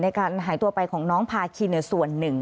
ในการหายตัวไปของน้องพาคินส่วนหนึ่ง